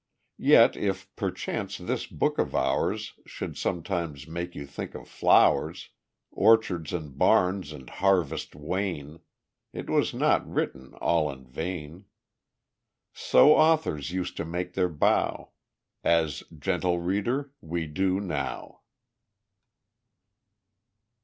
Yet if, perchance, this book of ours Should sometimes make you think of flowers, Orchards and barns and harvest wain, "It was not written all in vain " So authors used to make their bow, As, Gentle Reader, we do now_.